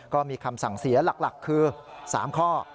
ก็มีคำสั่งเสียหลักคือ๓ข้อ